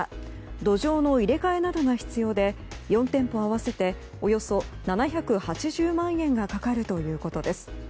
土壌の入れ替えなどが必要で４店舗合わせておよそ７８０万円がかかるということです。